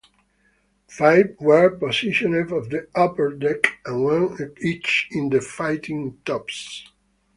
Five were positioned on the upper deck and one each in the fighting tops.